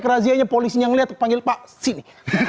ke razianya polisinya ngeliat aku panggil pak sini